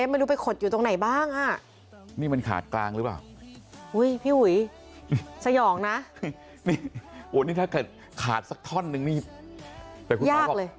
ไม่รู้ไปขดอยู่ตรงไหนบ้างนี่มันขาดกลางหรือเปล่าพี่หุยสยองนะถ้าขาดสักท่อนนึงหญ้าเลย